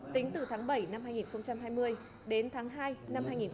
tính từ tháng bảy năm hai nghìn hai mươi đến tháng hai năm hai nghìn hai mươi